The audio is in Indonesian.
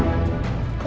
udah padanan bu